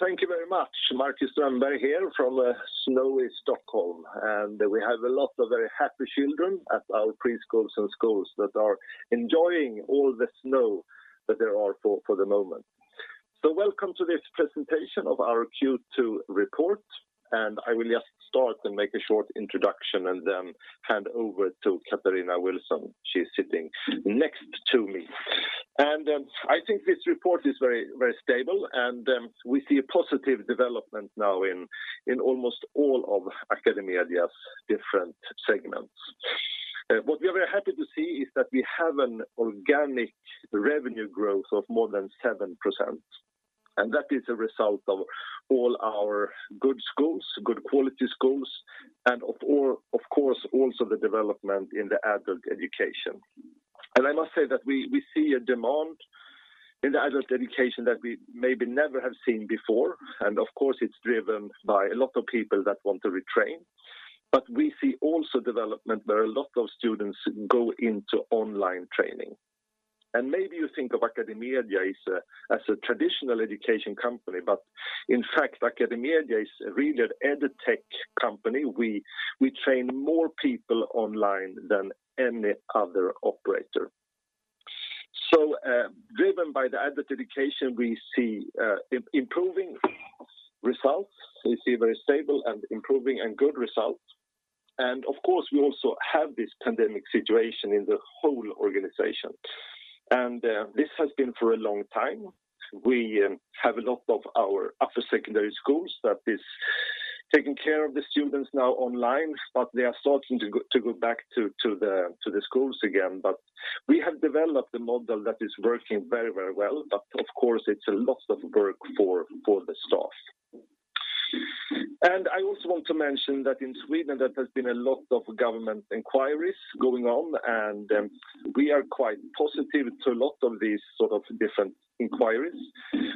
Thank you very much. Marcus Strömberg here from a snowy Stockholm. We have a lot of very happy children at our preschools and schools that are enjoying all the snow that there are for the moment. Welcome to this presentation of our Q2 report, and I will just start and make a short introduction and then hand over to Katarina Wilson. She's sitting next to me. I think this report is very stable, and we see a positive development now in almost all of AcadeMedia's different segments. What we are very happy to see is that we have an organic revenue growth of more than 7%, and that is a result of all our good quality schools and of course also the development in the adult education. I must say that we see a demand in the adult education that we maybe never have seen before. Of course, it's driven by a lot of people that want to retrain. We see also development where a lot of students go into online training. Maybe you think of AcadeMedia as a traditional education company, but in fact, AcadeMedia is really an EdTech company. We train more people online than any other operator. Driven by the adult education, we see improving results. We see very stable and improving and good results. Of course, we also have this pandemic situation in the whole organization. This has been for a long time. We have a lot of our upper secondary schools that is taking care of the students now online, but they are starting to go back to the schools again. We have developed a model that is working very well. Of course, it's a lot of work for the staff. I also want to mention that in Sweden, there has been a lot of government inquiries going on, and we are quite positive to a lot of these sort of different inquiries.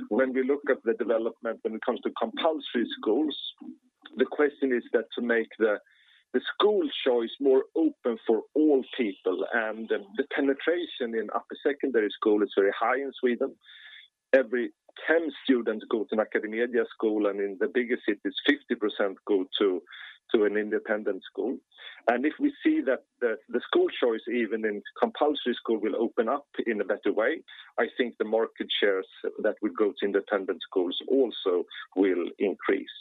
When we look at the development when it comes to compulsory schools, the question is that to make the school choice more open for all people, and the penetration in upper secondary school is very high in Sweden. Every 10 students go to an AcadeMedia school, and in the biggest cities, 50% go to an independent school. If we see that the school choice even in compulsory school will open up in a better way, I think the market shares that would go to independent schools also will increase.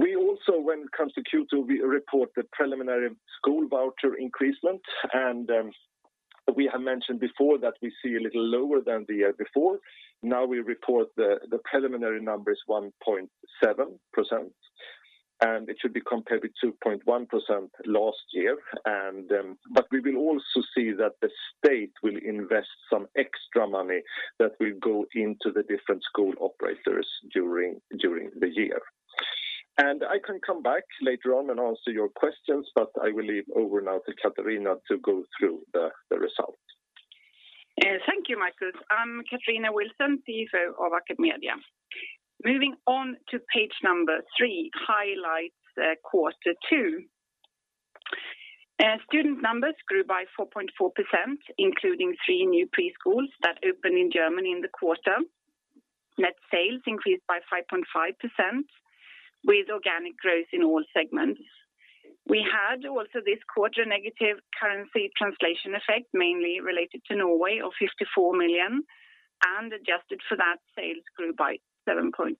We also, when it comes to Q2, we report the preliminary school voucher increasement, and we have mentioned before that we see a little lower than the year before. Now we report the preliminary number is 1.7%, and it should be compared with 2.1% last year. We will also see that the state will invest some extra money that will go into the different school operators during the year. I can come back later on and answer your questions, but I will leave over now to Katarina to go through the results. Thank you, Marcus. I'm Katarina Wilson, CFO of AcadeMedia. Moving on to page number three, highlights, quarter two. Student numbers grew by 4.4%, including three new preschools that opened in Germany in the quarter. Net sales increased by 5.5% with organic growth in all segments. We had also this quarter a negative currency translation effect, mainly related to Norway of 54 million, and adjusted for that, sales grew by 7.3%,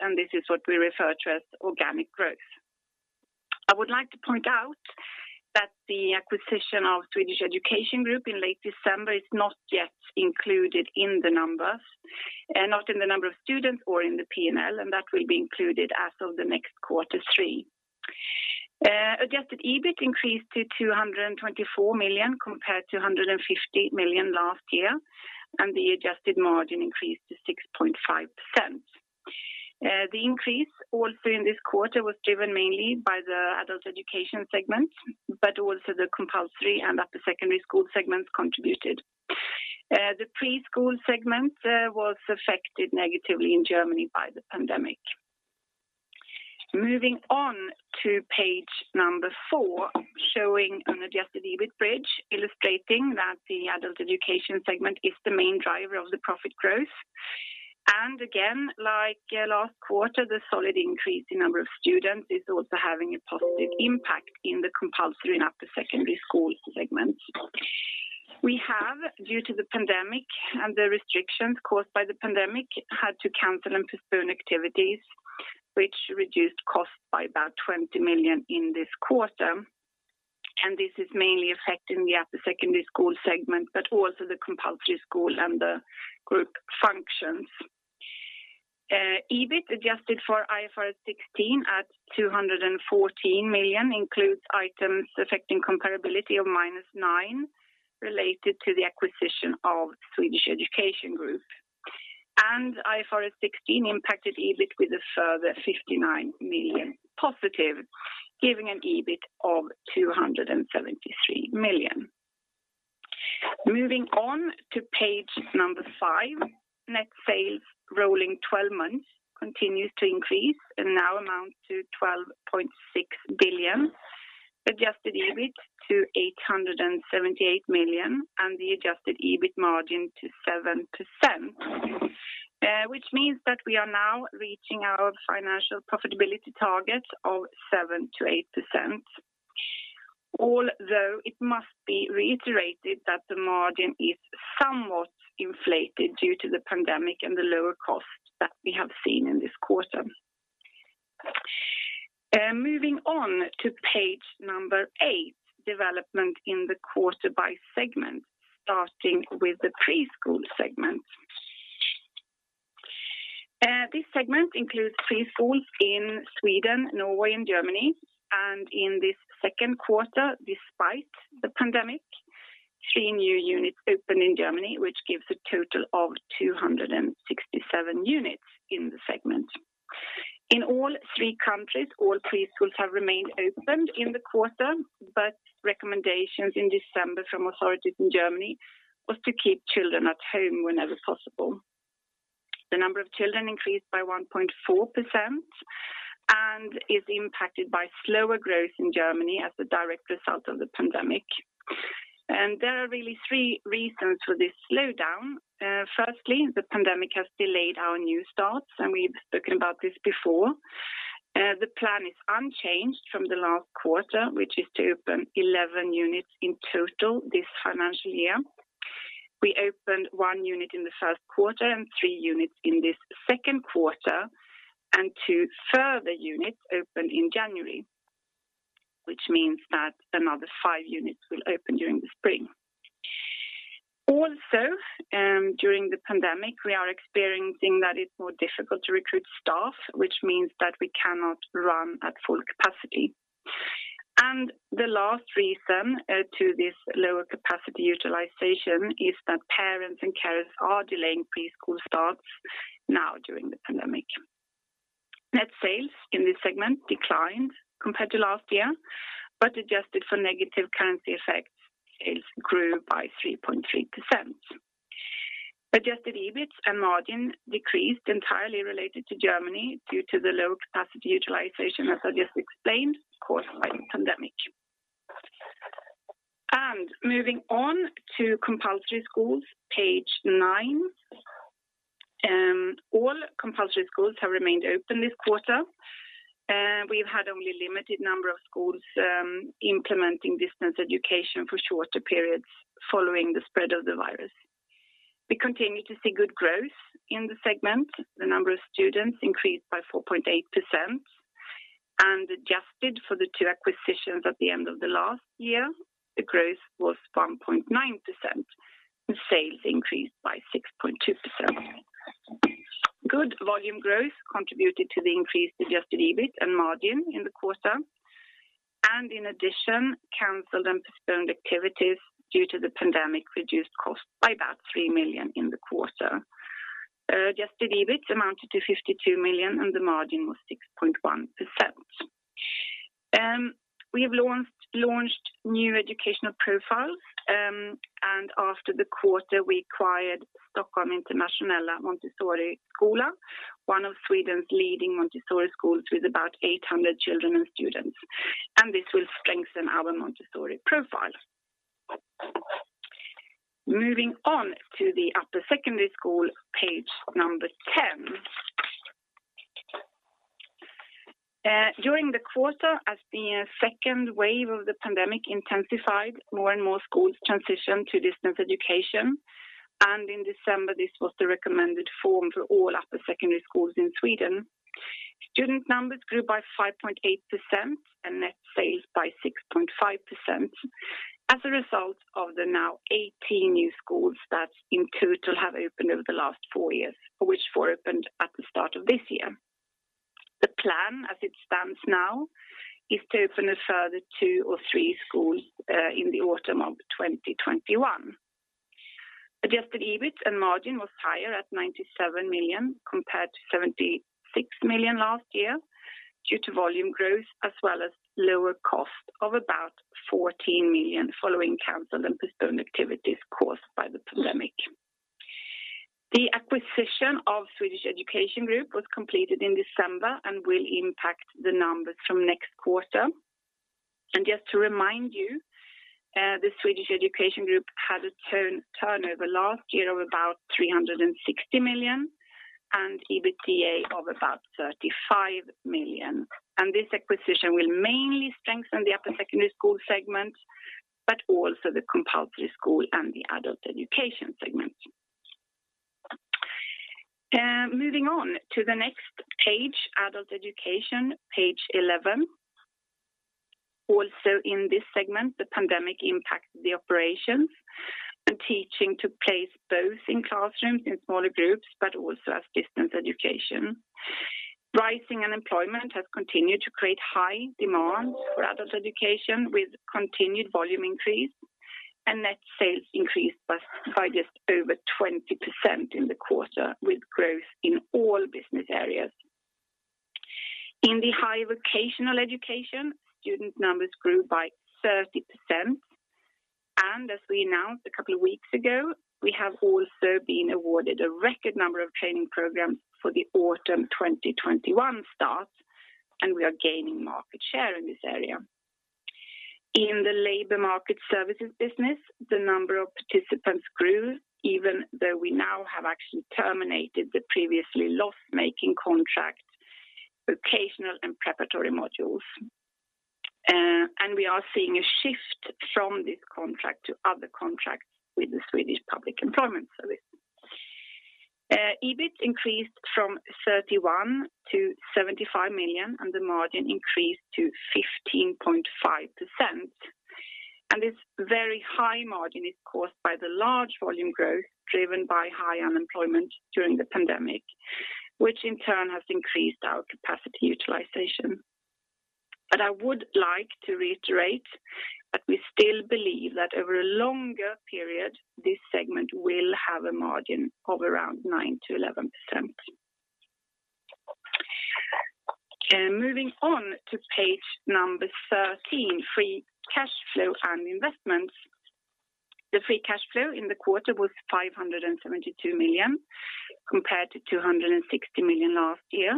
and this is what we refer to as organic growth. I would like to point out that the acquisition of Swedish Education Group in late December is not yet included in the numbers, not in the number of students or in the P&L, and that will be included as of the next quarter three. Adjusted EBIT increased to 224 million compared to 150 million last year, and the adjusted margin increased to 6.5%. The increase also in this quarter was driven mainly by the Adult Education segment, but also the Compulsory and Upper Secondary School segments contributed. The Preschool segment was affected negatively in Germany by the pandemic. Moving on to page number four, showing an adjusted EBIT bridge illustrating that the Adult Education segment is the main driver of the profit growth. Again, like last quarter, the solid increase in number of students is also having a positive impact in the Compulsory and Upper Secondary School segments. We have, due to the pandemic and the restrictions caused by the pandemic, had to cancel and postpone activities, which reduced costs by about 20 million in this quarter. This is mainly affecting the Upper Secondary School segment, but also the Compulsory School and the Group Functions. EBIT adjusted for IFRS 16 at 214 million includes items affecting comparability of minus 9 related to the acquisition of Swedish Education Group. IFRS 16 impacted EBIT with a further 59 million positive, giving an EBIT of 273 million. Moving on to page number five, net sales rolling 12 months continues to increase and now amount to 12.6 billion. Adjusted EBIT to 878 million, the adjusted EBIT margin to 7%. This means that we are now reaching our financial profitability target of 7%-8%. Although it must be reiterated that the margin is somewhat inflated due to the pandemic and the lower costs that we have seen in this quarter. Moving on to page number eight, development in the quarter by segment, starting with the preschool segment. This segment includes preschools in Sweden, Norway, and Germany. In this Q2, despite the pandemic, three new units opened in Germany, which gives a total of 267 units in the segment. In all three countries, all preschools have remained open in the quarter, but recommendations in December from authorities in Germany was to keep children at home whenever possible. The number of children increased by 1.4% and is impacted by slower growth in Germany as a direct result of the pandemic. There are really three reasons for this slowdown. Firstly, the pandemic has delayed our new starts, and we've spoken about this before. The plan is unchanged from the last quarter, which is to open 11 units in total this financial year. We opened one unit in the Q1 and three units in this Q2, and two further units open in January. Which means that another five units will open during the spring. During the pandemic, we are experiencing that it's more difficult to recruit staff, which means that we cannot run at full capacity. The last reason to this lower capacity utilization is that parents and carers are delaying preschool starts now during the pandemic. Net sales in this segment declined compared to last year, but adjusted for negative currency effects, sales grew by 3.3%. Adjusted EBIT and margin decreased entirely related to Germany due to the low capacity utilization, as I just explained, caused by the pandemic. Moving on to compulsory schools, page nine. All compulsory schools have remained open this quarter. We've had only limited number of schools implementing distance education for shorter periods following the spread of the virus. We continue to see good growth in the segment. The number of students increased by 4.8%, and adjusted for the two acquisitions at the end of the last year, the growth was 1.9%, and sales increased by 6.2%. Good volume growth contributed to the increased adjusted EBIT and margin in the quarter. In addition, canceled and postponed activities due to COVID reduced costs by about 3 million in the quarter. Adjusted EBIT amounted to 52 million, and the margin was 6.1%. We have launched new educational profiles, and after the quarter, we acquired Stockholms Internationella Montessoriskola, one of Sweden's leading Montessori schools, with about 800 children and students. This will strengthen our Montessori profile. Moving on to the upper secondary school, page number 10. During the quarter, as the second wave of the pandemic intensified, more and more schools transitioned to distance education, and in December, this was the recommended form for all upper secondary schools in Sweden. Student numbers grew by 5.8% and net sales by 6.5%, as a result of the now 18 new schools that in total have opened over the last four years. Of which, four opened at the start of this year. The plan, as it stands now, is to open a further two or three schools in the autumn of 2021. Adjusted EBIT and margin was higher at 97 million compared to 76 million last year, due to volume growth as well as lower cost of about 14 million following canceled and postponed activities caused by the pandemic. The acquisition of Swedish Education Group was completed in December and will impact the numbers from next quarter. Just to remind you, the Swedish Education Group had a turnover last year of about 360 million and EBITDA of about 35 million. This acquisition will mainly strengthen the upper secondary school segment, but also the compulsory school and the adult education segment. Moving on to the next page, adult education, page 11. Also in this segment, the pandemic impacted the operations, and teaching took place both in classrooms, in smaller groups, but also as distance education. Rising unemployment has continued to create high demand for adult education with continued volume increase, and net sales increased by just over 20% in the quarter, with growth in all business areas. In the higher vocational education, student numbers grew by 30%. As we announced a couple of weeks ago, we have also been awarded a record number of training programs for the autumn 2021 start, and we are gaining market share in this area. In the labor market services business, the number of participants grew, even though we now have actually terminated the previously loss-making contract, vocational and preparatory modules. We are seeing a shift from this contract to other contracts with the Swedish Public Employment Service. EBIT increased from 31 million to 75 million, and the margin increased to 15.5%. This very high margin is caused by the large volume growth driven by high unemployment during the pandemic, which in turn has increased our capacity utilization. I would like to reiterate that we still believe that over a longer period, this segment will have a margin of around 9%-11%. Moving on to page 13, free cash flow and investments. The free cash flow in the quarter was 572 million compared to 260 million last year.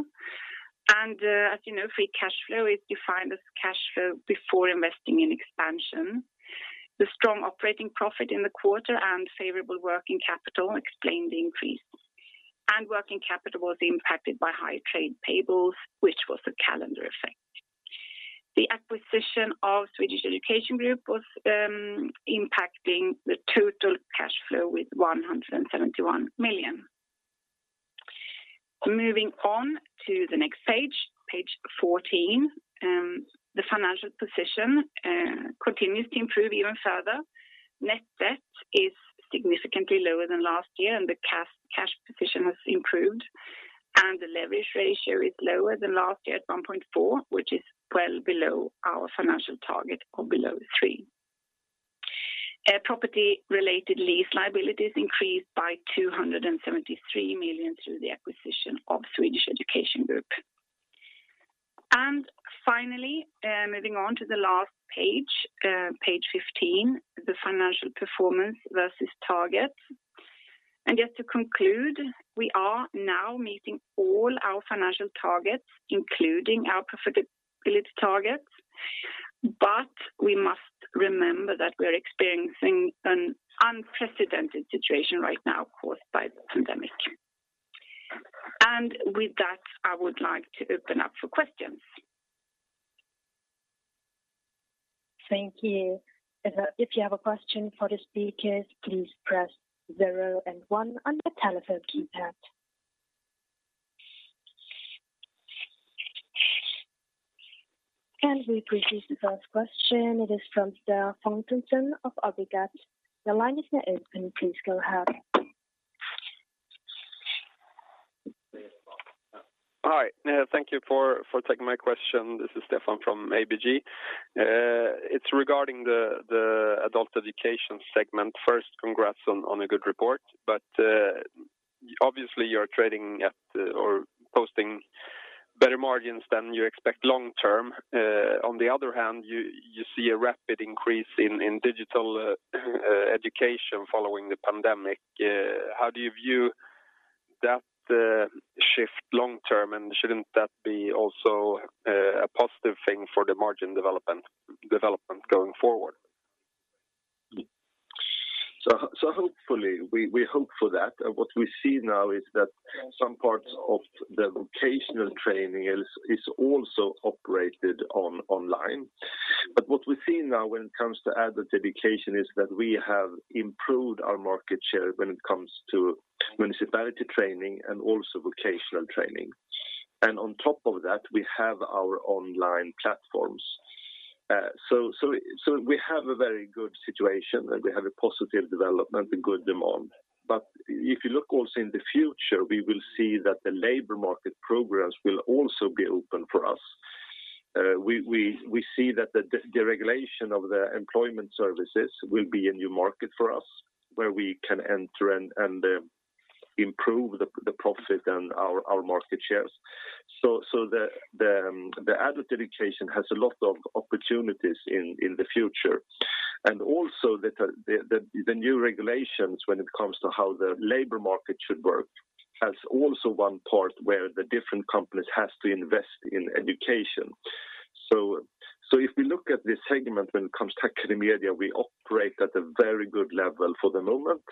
As you know, free cash flow is defined as cash flow before investing in expansion. The strong operating profit in the quarter and favorable working capital explain the increase. Working capital was impacted by high trade payables, which was a calendar effect. The acquisition of Swedish Education Group was impacting the total cash flow with 171 million. Moving on to the next page 14, the financial position continues to improve even further. Net debt is significantly lower than last year, and the cash position has improved, and the leverage ratio is lower than last year at 1.4, which is well below our financial target of below three. Property-related lease liabilities increased by 273 million through the acquisition of Swedish Education Group. Finally, moving on to the last page 15, the financial performance versus target. Just to conclude, we are now meeting all our financial targets, including our profitability targets. We must remember that we are experiencing an unprecedented situation right now caused by the pandemic. With that, I would like to open up for questions. Thank you. If you have a question for the speakers, please press zero and one on your telephone keypad. We proceed to the first question. It is from Stefan Knutsson of ABG. The line is now open. Please go ahead. Hi. Thank you for taking my question. This is Stefan from ABG. It's regarding the adult education segment. First, congrats on a good report. Obviously, you're trading or posting better margins than you expect long term. On the other hand, you see a rapid increase in digital education following the pandemic. How do you view that shift long term. Shouldn't that be also a positive thing for the margin development going forward? We hope for that. What we see now is that some parts of the vocational training is also operated online. What we see now when it comes to adult education is that we have improved our market share when it comes to municipality training and also vocational training. On top of that, we have our online platforms. We have a very good situation, and we have a positive development and good demand. If you look also in the future, we will see that the labor market programs will also be open for us. We see that the deregulation of the employment services will be a new market for us, where we can enter and improve the profit and our market shares. The adult education has a lot of opportunities in the future. Also the new regulations when it comes to how the labor market should work has also one part where the different companies have to invest in education. If we look at this segment when it comes to AcadeMedia, we operate at a very good level for the moment.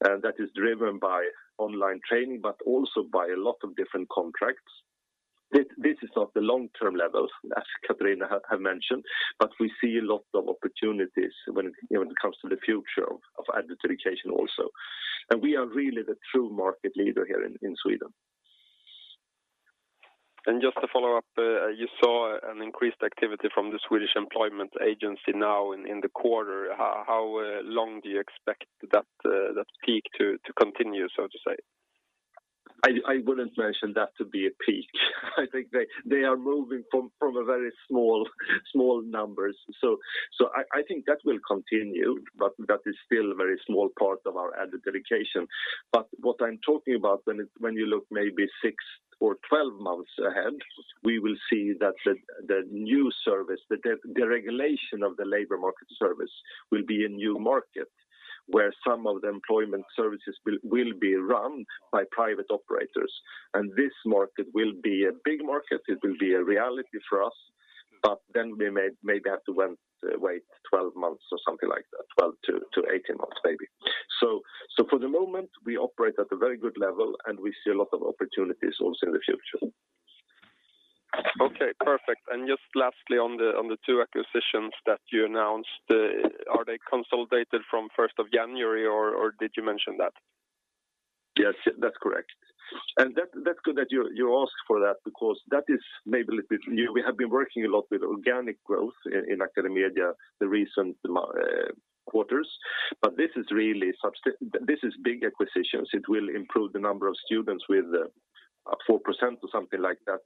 That is driven by online training, but also by a lot of different contracts. This is not the long-term levels, as Katarina had mentioned, but we see a lot of opportunities when it comes to the future of adult education also. We are really the true market leader here in Sweden. Just to follow up, you saw an increased activity from the Swedish Employment Agency now in the quarter. How long do you expect that peak to continue, so to say? I wouldn't mention that to be a peak. I think they are moving from very small numbers. I think that will continue, but that is still a very small part of our adult education. What I'm talking about when you look maybe six or 12 months ahead, we will see that the new service, the deregulation of the labor market service will be a new market where some of the employment services will be run by private operators, and this market will be a big market. It will be a reality for us, we may have to wait 12 months or something like that, 12-18 months maybe. For the moment, we operate at a very good level, and we see a lot of opportunities also in the future. Okay, perfect. Just lastly, on the two acquisitions that you announced, are they consolidated from 1st of January, or did you mention that? Yes, that's correct. That's good that you ask for that because that is maybe a little bit new. We have been working a lot with organic growth in AcadeMedia the recent quarters. This is big acquisitions. It will improve the number of students with up 4% or something like that.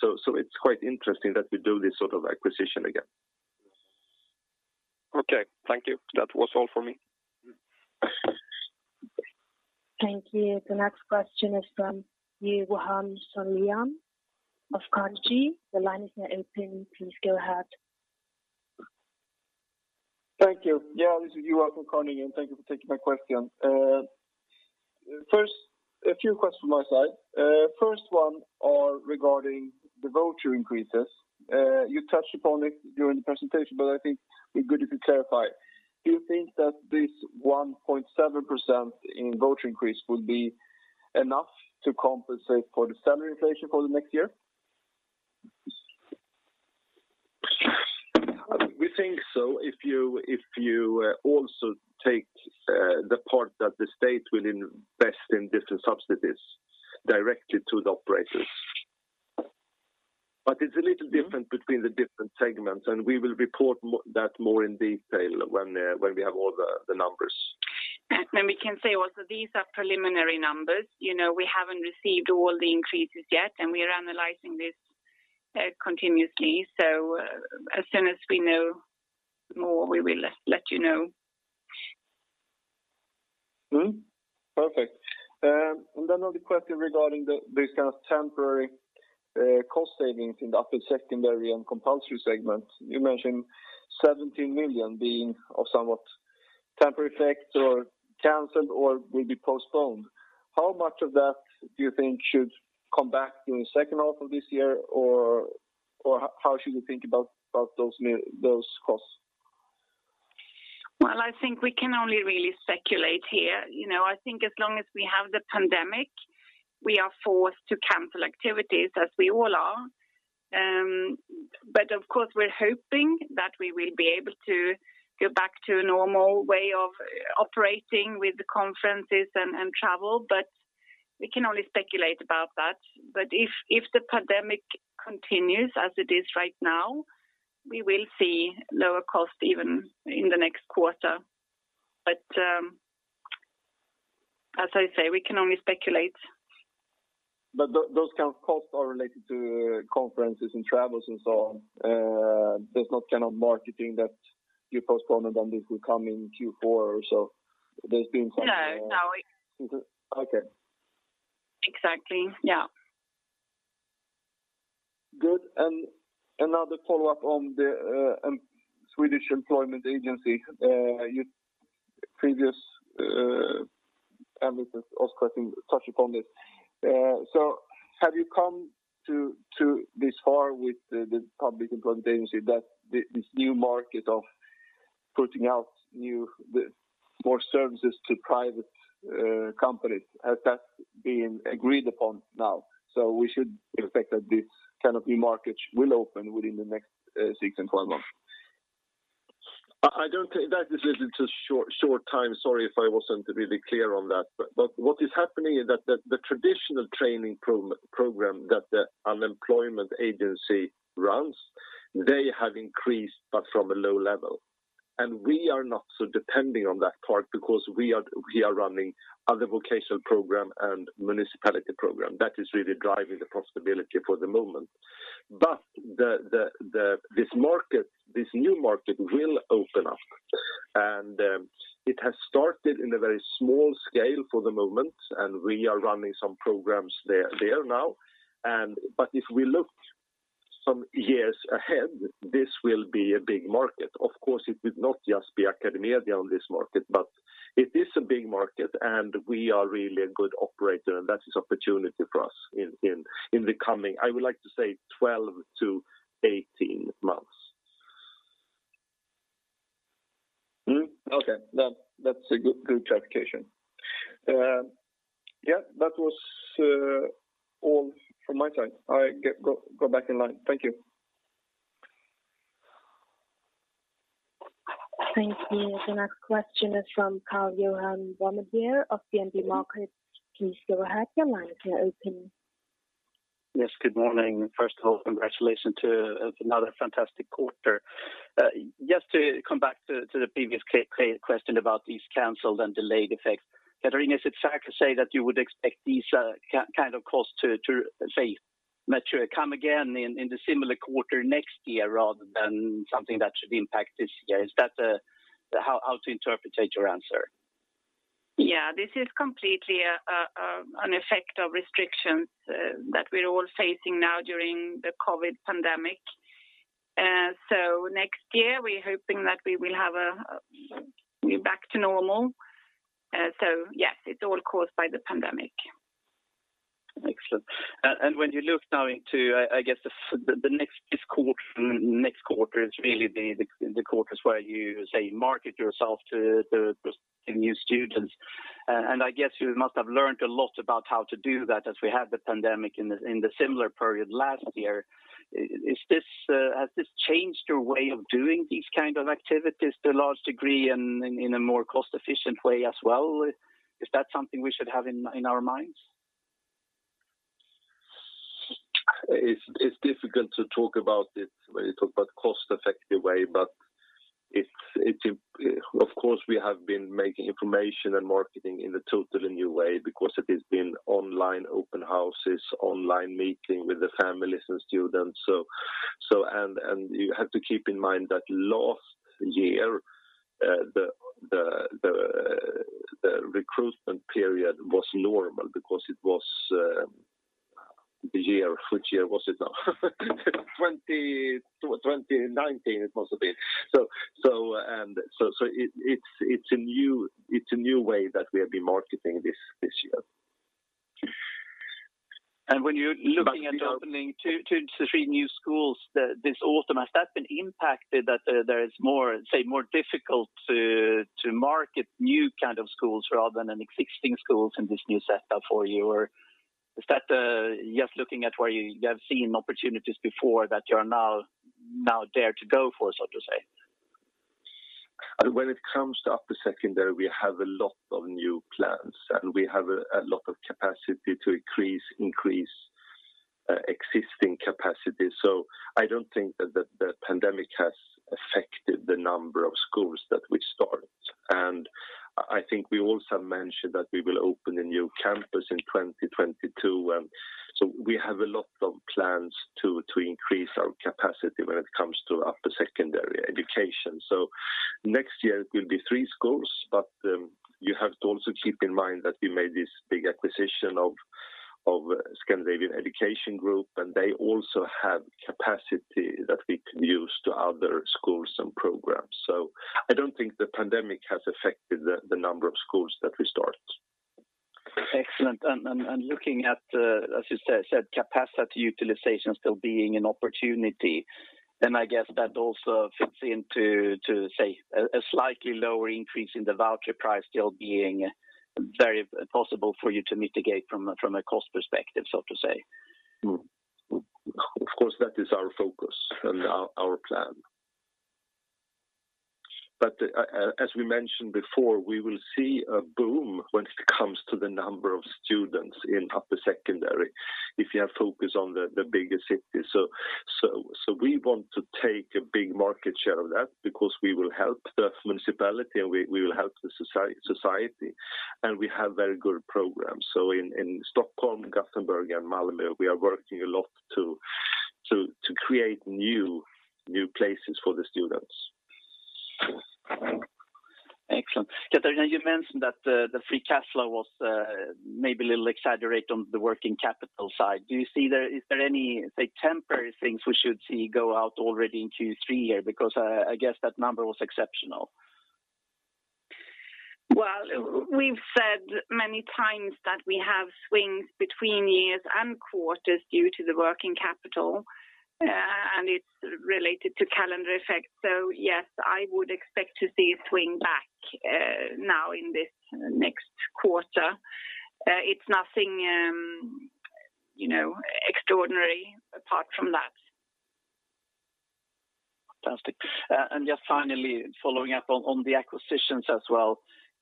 It's quite interesting that we do this sort of acquisition again. Okay. Thank you. That was all for me. Thank you. The next question is from Johan Sundén of Carnegie. The line is now open. Please go ahead. Thank you. Yeah, this is Johan from Carnegie. Thank you for taking my question. A few questions from my side. First one are regarding the voucher increases. You touched upon it during the presentation. I think it'd be good if you clarify. Do you think that this 1.7% in voucher increase will be enough to compensate for the salary inflation for the next year? We think so if you also take the part that the state will invest in different subsidies directly to the operators. It's a little different between the different segments, and we will report that more in detail when we have all the numbers. We can say also, these are preliminary numbers. We haven't received all the increases yet, and we are analyzing this continuously. As soon as we know more, we will let you know. Perfect. Another question regarding this kind of temporary cost savings in the upper secondary and compulsory segment. You mentioned 17 million being of somewhat temporary effect or canceled or will be postponed. How much of that do you think should come back during the H2 of this year? How should we think about those costs? I think we can only really speculate here. I think as long as we have the pandemic, we are forced to cancel activities as we all are. Of course, we're hoping that we will be able to go back to a normal way of operating with the conferences and travel, but we can only speculate about that. If the pandemic continues as it is right now, we will see lower cost even in the next quarter. As I say, we can only speculate. Those kind of costs are related to conferences and travels and so on. There's no kind of marketing that you postponed, and this will come in Q4 or so. No. Okay. Exactly. Yeah. Good. Another follow-up on the Swedish Public Employment Service. Previous analyst, Oscar, I think, touched upon this. Have you come this far with the Swedish Public Employment Service that this new market of putting out more services to private companies, has that been agreed upon now? We should expect that this kind of e-market will open within the next six and 12 months. That is a little too short time. Sorry if I wasn't really clear on that. What is happening is that the traditional training program that the unemployment agency runs, they have increased but from a low level. We are not so depending on that part because we are running other vocational program and municipality program. That is really driving the profitability for the moment. This new market will open up. It has started in a very small scale for the moment, and we are running some programs there now. If we look some years ahead, this will be a big market. Of course, it will not just be AcadeMedia on this market, but it is a big market, and we are really a good operator, and that is opportunity for us in the coming, I would like to say 12-18 months. Okay. That's a good clarification. Yeah, that was all from my side. I go back in line. Thank you. Thank you. The next question is from Karl-Johan Wramner of DNB Markets. Please go ahead. Your line is now open. Yes, good morning. First of all, congratulations to another fantastic quarter. Just to come back to the previous question about these canceled and delayed effects. Katarina, is it fair to say that you would expect these kind of costs to, say, mature, come again in the similar quarter next year rather than something that should impact this year? How to interpret your answer? This is completely an effect of restrictions that we're all facing now during the COVID pandemic. Next year, we're hoping that we will be back to normal. Yes, it's all caused by the pandemic. Excellent. When you look now into the next quarter, it's really the quarters where you market yourself to new students. I guess you must have learned a lot about how to do that as we had the pandemic in the similar period last year. Has this changed your way of doing these kind of activities to a large degree and in a more cost-efficient way as well? Is that something we should have in our minds? It's difficult to talk about it when you talk about cost-effective way. Of course, we have been making information and marketing in a totally new way because it has been online open houses, online meeting with the families and students. You have to keep in mind that last year, the recruitment period was normal because it was the year Which year was it now? 2019, it must have been. It's a new way that we have been marketing this year. When you're looking at opening two to three new schools this autumn, has that been impacted that there is more difficult to market new kind of schools rather than existing schools in this new setup for you? Is that just looking at where you have seen opportunities before that you are now dare to go for, so to say? When it comes to upper secondary, we have a lot of new plans, and we have a lot of capacity to increase existing capacity. I don't think that the pandemic has affected the number of schools that we start. I think we also mentioned that we will open a new campus in 2022. We have a lot of plans to increase our capacity when it comes to upper secondary education. Next year it will be three schools, but you have to also keep in mind that we made this big acquisition of Swedish Education Group, and they also have capacity that we can use to other schools and programs. I don't think the pandemic has affected the number of schools that we start. Excellent. Looking at, as you said, capacity utilization still being an opportunity, then I guess that also fits into a slightly lower increase in the voucher price still being very possible for you to mitigate from a cost perspective, so to say. Of course, that is our focus and our plan. As we mentioned before, we will see a boom when it comes to the number of students in upper secondary if you have focus on the bigger cities. We want to take a big market share of that because we will help the municipality, and we will help the society, and we have very good programs. In Stockholm, Gothenburg, and Malmö, we are working a lot to create new places for the students. Excellent. Katarina, you mentioned that the free cash flow was maybe a little exaggerated on the working capital side. Is there any temporary things we should see go out already into Q3? Because I guess that number was exceptional. We've said many times that we have swings between years and quarters due to the working capital, and it's related to calendar effects. Yes, I would expect to see a swing back now in this next quarter. It's nothing extraordinary apart from that. Fantastic. Just finally, following up on the acquisitions as well.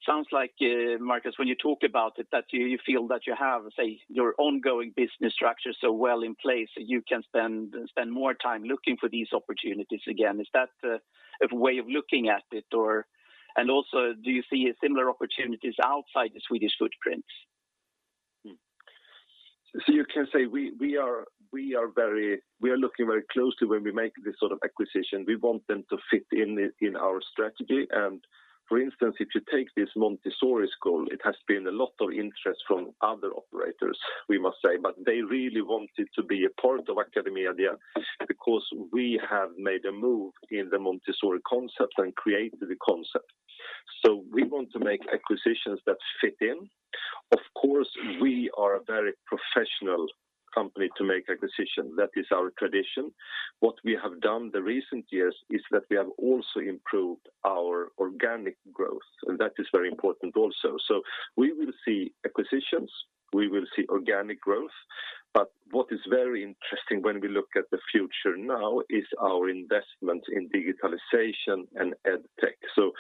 Sounds like, Marcus, when you talk about it, that you feel that you have your ongoing business structure so well in place that you can spend more time looking for these opportunities again. Is that a way of looking at it, or and also, do you see similar opportunities outside the Swedish footprints? You can say we are looking very closely when we make this sort of acquisition. We want them to fit in our strategy. For instance, if you take this Montessori school, it has been a lot of interest from other operators, we must say, but they really wanted to be a part of AcadeMedia because we have made a move in the Montessori concept and created the concept. We want to make acquisitions that fit in. Of course, we are a very professional company to make acquisition. That is our tradition. What we have done the recent years is that we have also improved our organic growth, and that is very important also. We will see acquisitions, we will see organic growth, but what is very interesting when we look at the future now is our investment in digitalization and EdTech.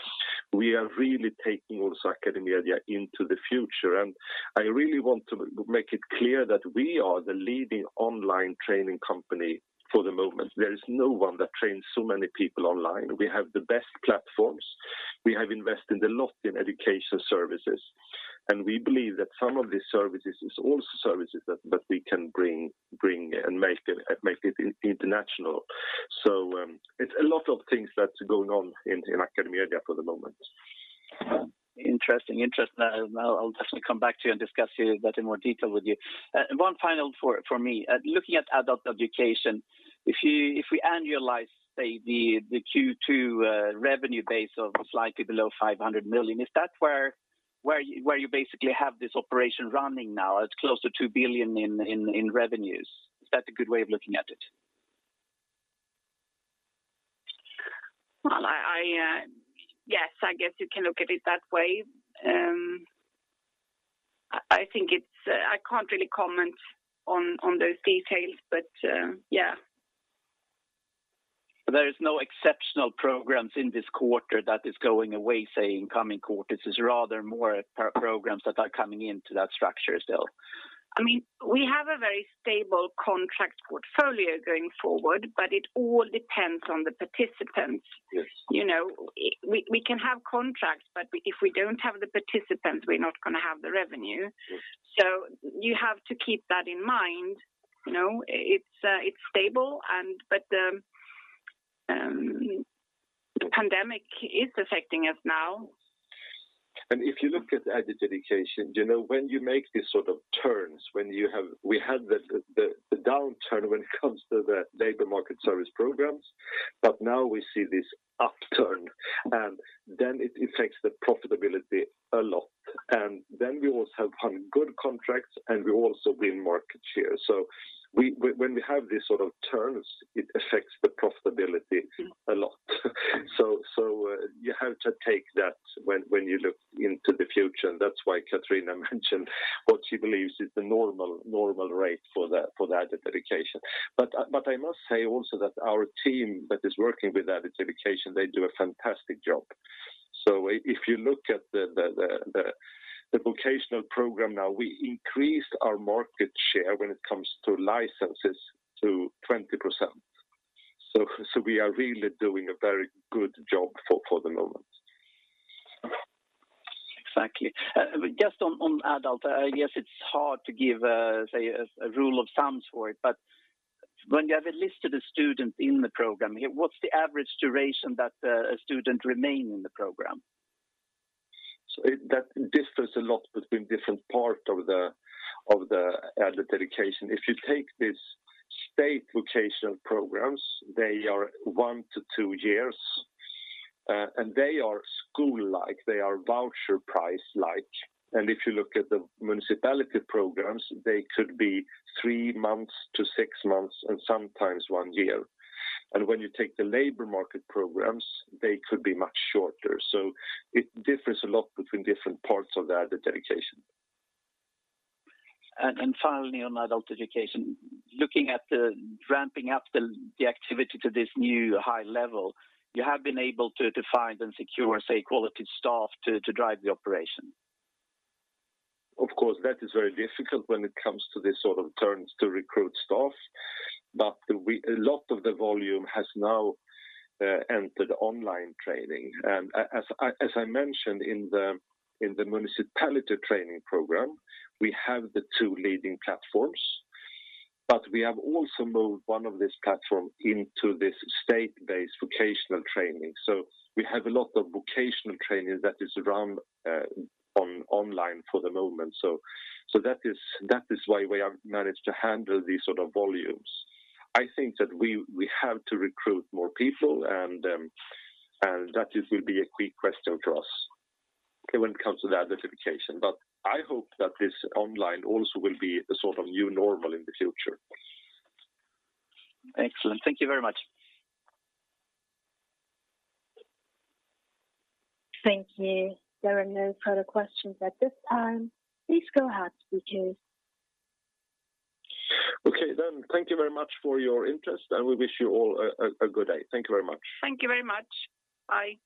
We are really taking also AcadeMedia into the future. I really want to make it clear that we are the leading online training company for the moment. There is no one that trains so many people online. We have the best platforms. We have invested a lot in education services, and we believe that some of these services is also services that we can bring and make it international. It's a lot of things that's going on in AcadeMedia for the moment. Interesting. I'll definitely come back to you and discuss that in more detail with you. One final for me. Looking at adult education, if we annualize, say, the Q2 revenue base of slightly below 500 million, is that where you basically have this operation running now at close to 2 billion in revenues? Is that a good way of looking at it? Yes, I guess you can look at it that way. I can't really comment on those details, but yeah. There is no exceptional programs in this quarter that is going away, say, in coming quarters. It's rather more programs that are coming into that structure still. We have a very stable contract portfolio going forward, but it all depends on the participants. Yes. We can have contracts, but if we don't have the participants, we're not going to have the revenue. Yes. You have to keep that in mind. It's stable, but the pandemic is affecting us now. If you look at adult education, when you make these sort of turns, we had the downturn when it comes to the labor market services programs, now we see this upturn, then it affects the profitability a lot. Then we also have good contracts, and we also win market share. When we have these sort of turns, it affects the profitability a lot. You have to take that when you look into the future, that is why Katarina mentioned what she believes is the normal rate for the adult education. I must say also that our team that is working with adult education do a fantastic job. If you look at the vocational program now, we increased our market share when it comes to licenses to 20%. We are really doing a very good job for the moment. Exactly. Just on Adult, yes, it's hard to give a rule of thumb for it, but when you have enlisted a student in the program, what's the average duration that a student remains in the program? That differs a lot between different parts of the adult education. If you take these state vocational programs, they are one to two years, they are school-like. They are voucher price-like. If you look at the municipality programs, they could be three months to six months, sometimes one year. When you take the labor market programs, they could be much shorter. It differs a lot between different parts of the adult education. Finally, on adult education, looking at the ramping up the activity to this new high level, you have been able to find and secure quality staff to drive the operation. Of course, that is very difficult when it comes to these sort of turns to recruit staff. A lot of the volume has now entered online training. As I mentioned, in the municipality training program, we have the two leading platforms. We have also moved one of these platforms into this state-based vocational training. We have a lot of vocational training that is online for the moment. That is why we have managed to handle these sort of volumes. I think that we have to recruit more people, and that will be a key question for us when it comes to the identification. I hope that this online also will be a sort of new normal in the future. Excellent. Thank you very much. Thank you. There are no further questions at this time. Please go ahead, speakers. Okay, then. Thank you very much for your interest, and we wish you all a good day. Thank you very much. Thank you very much. Bye.